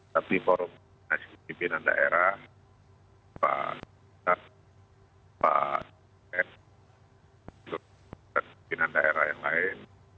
tapi forum pembinaan daerah pembinaan daerah yang lain